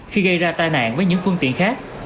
khi gây ra tai nạn với những phương tiện khác